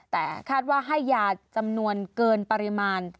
แต่คาดว่าให้ยาจำนวนเกินปริมาณ